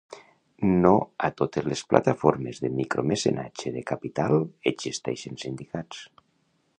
No ha totes les plataformes de micromecenatge de capital existeixen sindicats.